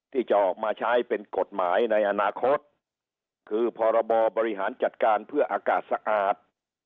ที่จะออกมาใช้เป็นกฎหมายในอนาคตคือพรบบริหารจัดการเพื่ออากาศสะอาด